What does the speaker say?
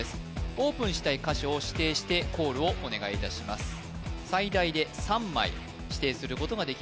オープンしたい箇所を指定してコールをお願いいたしますそうだよね